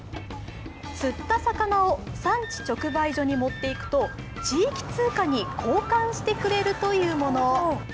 釣った魚を産地直売所に持っていくと地域通貨に交換してくれるというもの。